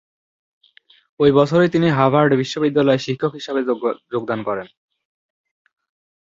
ঐ বছরই তিনি হার্ভার্ড বিশ্ববিদ্যালয়ে শিক্ষক হিসেবে যোগদান করেন।